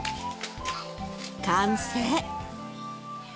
完成。